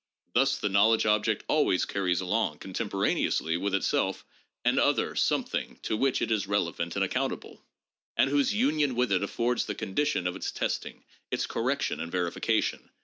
" Thus, the knowledge object always carries along, contemporaneously with itself, an other, something to which it is relevant and accountable, and whose union with it affords the condition of its testing, its cor rection and verification.